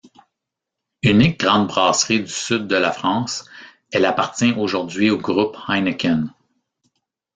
Unique grande brasserie du sud de la France, elle appartient aujourd'hui au groupe Heineken.